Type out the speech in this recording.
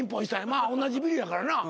まあ同じビルやからな。